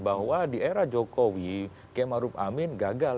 bahwa di era jokowi kemaruf amin gagal